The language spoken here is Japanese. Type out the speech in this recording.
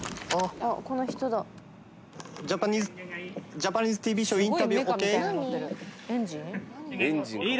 ジャパニーズＴＶショーインタビューＯＫ？